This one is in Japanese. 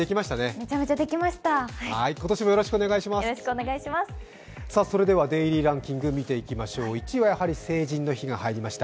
めちゃめちゃできました。